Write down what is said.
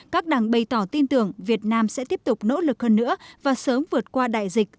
các đảng bày tỏ tin tưởng việt nam sẽ tiếp tục nỗ lực hơn nữa và sớm vượt qua đại dịch